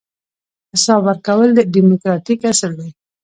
حساب ورکول دیموکراتیک اصل دی.